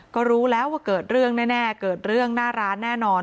ก็รู้แล้วว่าเกิดเรื่องแน่เกิดเรื่องหน้าร้านแน่นอน